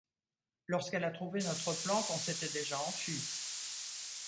Lorsqu’elle a trouvé notre planque, on s’était déjà enfuis.